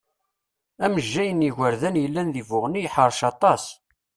Amejjay n yigerdan yellan di Buɣni yeḥrec aṭas.